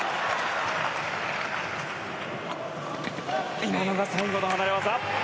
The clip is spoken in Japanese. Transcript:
今のが最後の離れ技。